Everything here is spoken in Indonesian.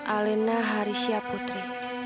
alena harisya putri